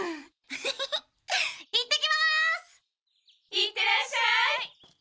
いってらっしゃい！